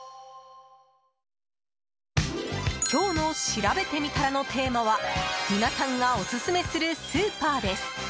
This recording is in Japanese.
今日のしらべてみたらのテーマは皆さんがオススメするスーパーです。